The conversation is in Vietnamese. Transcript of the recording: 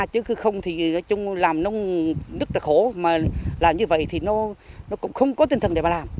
chứ không thì làm nông đức là khổ mà làm như vậy thì nó cũng không có tinh thần để mà làm